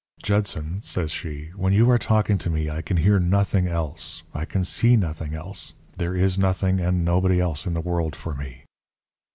"'Judson,' says she, 'when you are talking to me I can hear nothing else I can see nothing else there is nothing and nobody else in the world for me.'